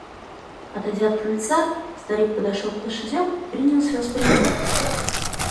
Отойдя от крыльца, старик подошел к лошадям и принялся распрягать.